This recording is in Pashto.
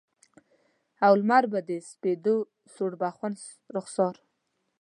او لمر به د سپیدو سوربخن رخسار